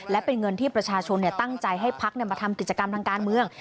และเป็นเงินที่ประชาชนตั้งใจให้พักมาทำกิจกรรมทางการเมือง